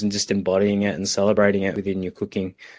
dan hanya mengambilnya dan menggembiranya dalam memasak anda